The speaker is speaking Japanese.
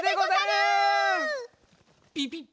ピピッ。